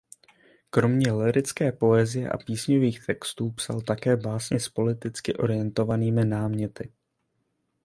Kromě lyrické poezie a písňových textů psal také básně s politicky orientovanými náměty.